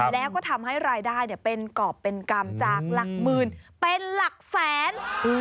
แล้วก็ทำให้รายได้เป็นกรอบเป็นกรรมจากหลักหมื่นเป็นหลักแสน